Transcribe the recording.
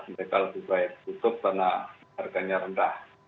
mereka lebih baik tutup karena harganya rendah